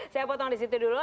saya potong di situ dulu